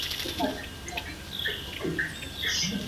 Mitṭhep ah a kal.